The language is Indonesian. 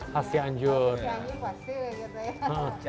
cianjur cianjur pasti gitu ya